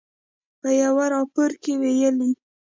په یوه راپور کې ویلي